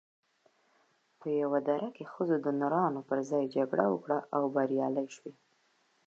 په یوه دره کې ښځو د نرانو پر ځای جګړه وکړه او بریالۍ شوې